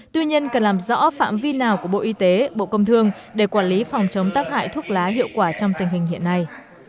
tuy nhiên cần làm rõ phạm vi nào của bộ y tế bộ công thương để quản lý phòng chống tác hại thuốc lá hiệu quả trong tình hình hiện nay